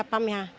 itu kayak pam ya